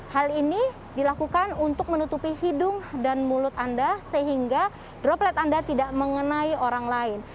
hal ini dilakukan untuk menutupi hidung dan mulut anda sehingga droplet anda tidak mengenai orang lain